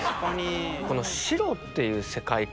この白っていう世界観